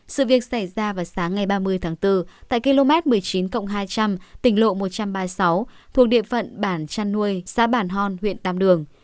sự việc xảy ra vào sáng ngày ba mươi tháng bốn tại km một mươi chín hai trăm linh tỉnh lộ một trăm ba mươi sáu thuộc địa phận bản trăn nuôi xã bản hòn huyện tam đường